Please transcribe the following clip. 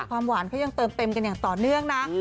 ความหวานเขายังเติมเต็มกันอย่างต่อเนื่องนะ